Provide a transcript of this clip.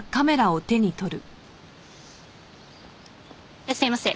いらっしゃいませ。